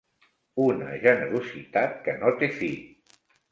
Una generositat que no té fi.